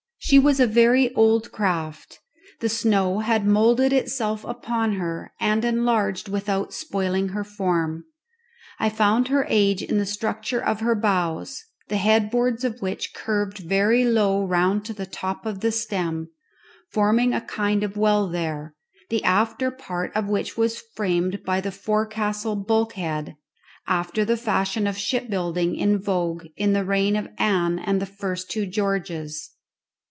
She was a very old craft. The snow had moulded itself upon her and enlarged without spoiling her form. I found her age in the structure of her bows, the headboards of which curved very low round to the top of the stem, forming a kind of well there, the after part of which was framed by the forecastle bulkhead, after the fashion of ship building in vogue in the reign of Anne and the first two Georges.